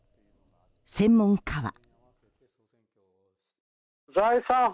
専門家は。